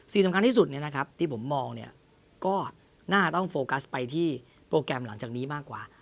สิ่งสำคัญที่สุดที่ผมมองเนี่ยก็น่าจะต้องโฟกัสไปที่โปรแกรมหลังจากนี้มากกว่า